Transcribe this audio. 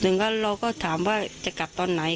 เราก็ถามว่าจะกลับตอนไหน